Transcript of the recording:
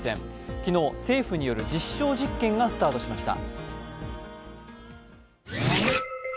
昨日、政府による実証実験がスタートしました。